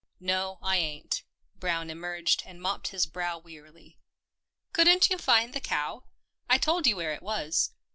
"No — I ain't." Brown emerged and mopped his brow wearily. " Couldn't you find the cow ? I told you where it was."